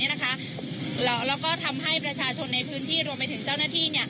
แล้วก็ทำให้ประชาชนในพื้นที่รวมไปถึงเจ้าหน้าที่